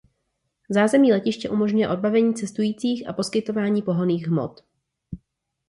Zázemí letiště umožňuje odbavení cestujících a poskytování pohonných hmot.